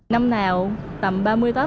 năm nào tầm ba mươi tối